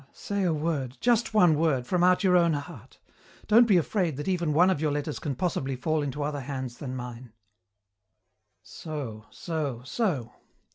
"'Ah, say a word, just one word, from out your own heart. Don't be afraid that even one of your letters can possibly fall into other hands than mine.' "So, so, so.